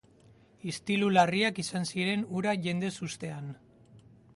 Istilu larriak izan ziren hura jendez hustean.